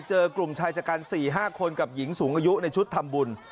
เจอกลุ่มชายชะกัน๔๕คนกับหญิงสูงอายุในชุดทำบุญ